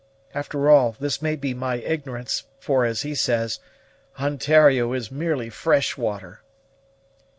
After all, this may be my ignorance; for, as he says, Ontario is merely fresh water."